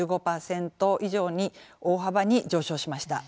１５％以上に大幅に上昇しました。